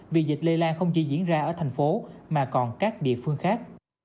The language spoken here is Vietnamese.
vì dịch lây lan không chỉ diễn ra ở thành phố mà còn các địa phương khác